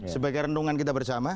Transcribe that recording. sebagai rendungan kita bersama